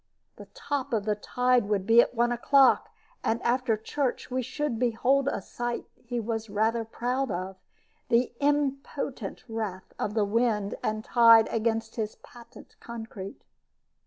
The top of the tide would be at one o'clock, and after church we should behold a sight he was rather proud of the impotent wrath of the wind and tide against his patent concrete.